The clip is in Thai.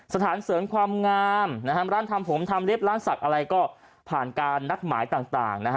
สถานเสริมความงามร่านทำผมทำเล็บร่านสักอะไรก็ผ่านการณ์นักหมายต่าง